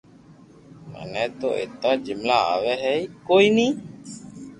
مني تو ايتا جملا آوي ھي ڪوئي ني